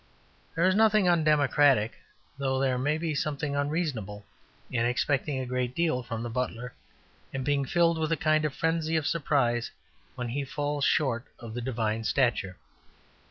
There is nothing, undemocratic, though there may be something unreasonable, in expecting a great deal from the butler, and being filled with a kind of frenzy of surprise when he falls short of the divine stature.